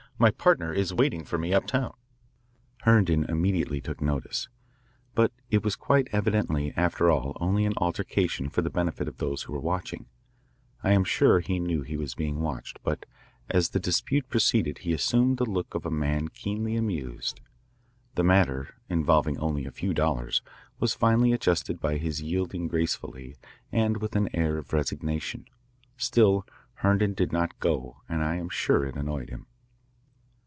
My partner is waiting for me uptown." Herndon immediately took notice. But it was quite evidently, after all, only an altercation for the benefit of those who were watching. I am sure he knew he was being watched, but as the dispute proceeded he assumed the look of a man keenly amused. The matter, involving only a few dollars, was finally adjusted by his yielding gracefully and with an air of resignation. Still Herndon did not go and I am sure it annoyed him.